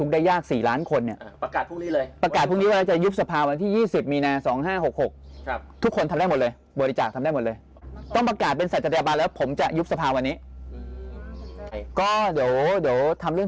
ได้เลยว่ายุบสภาวนาย